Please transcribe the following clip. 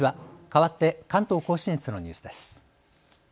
かわって関東甲信越のニュースです。